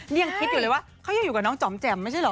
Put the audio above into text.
นี่ยังคิดอยู่เลยว่าเขายังอยู่กับน้องจอมแจ่มไม่ใช่เหรอ